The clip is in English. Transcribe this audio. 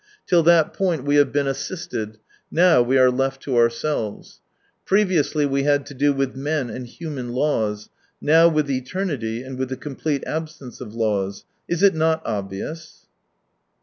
Till that point we have been assisted — now we are left to our selves. Previously we had to do with men and human laws — now with eternity, and with the complete absence of laws. Is it not obvious